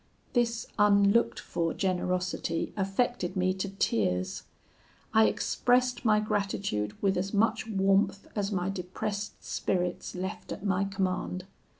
"This unlooked for generosity affected me to tears. I expressed my gratitude with as much warmth as my depressed spirits left at my command.